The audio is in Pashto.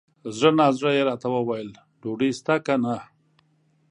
زړه نا زړه یې راته وویل ! ډوډۍ سته که نه؟